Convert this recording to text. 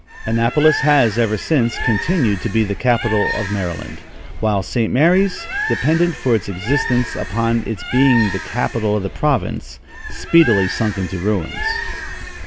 Annapolis has, ever since, continued to be the capital of Maryland, while St. Mary's, dependent for its existence upon its being the capital of the province, speedily sunk into ruins.